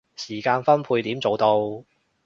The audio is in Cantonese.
時間分配點做到